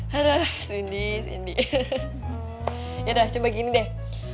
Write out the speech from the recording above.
hahahaha sindi sindi yaudah coba gini deh